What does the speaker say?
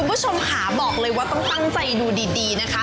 คุณผู้ชมค่ะบอกเลยว่าต้องตั้งใจดูดีนะคะ